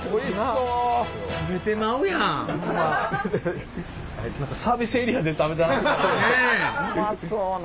うまそうな。